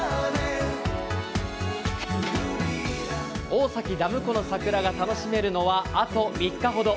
大崎ダム湖の桜が楽しめるのはあと３日ほど。